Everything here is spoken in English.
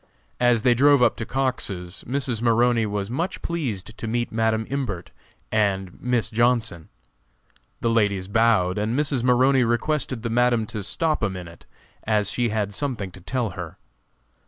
As they drove up to Cox's, Mrs. Maroney was much pleased to meet Madam Imbert and Miss Johnson. The ladies bowed, and Mrs. Maroney requested the Madam to stop a moment, as she had something to tell her.